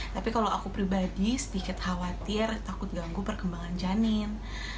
tapi kalau aku pribadi sedikit khawatir takut ganggu perkembangan janin